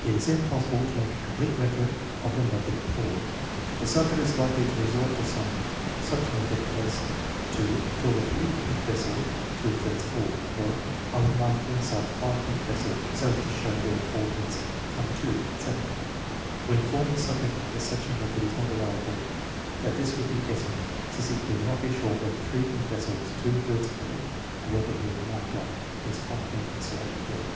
It is then possible to make a complete record of the method employed. The subject is likely to resort to some such method as to " fill the 3 pint vessel two thirds full," or, " I would mark the inside of the 5 pint vessel so as to show where 4 pints come to," etc. We inform the subject that such a method is not allowable; that this would be guessing, since he could not be sure when the S pint vessel was twp thirds full (or whether he had marked off his 5 pint vessel accurately).